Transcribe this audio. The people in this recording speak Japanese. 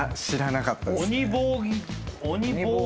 知らなかったですね。